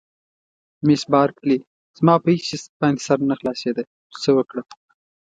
مس بارکلي: زما په هېڅ شي باندې سر نه خلاصېده چې څه وکړم.